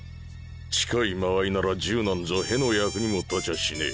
近い間合いなら銃なんざ屁の役にも立ちゃしねえ。